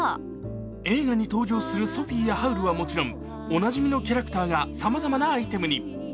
映画に登場するソフィやハウルはもちろんおなじみのキャラクターがさまざまなアイテムに。